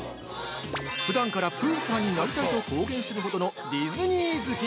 普段からプーさんになりたいと公言するほどのディズニー好き！